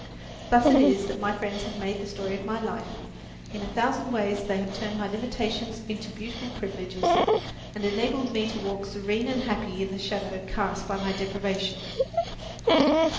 Thus it is that my friends have made the story of my life. In a thousand ways they have turned my limitations into beautiful privileges, and enabled me to walk serene and happy in the shadow cast by my deprivation.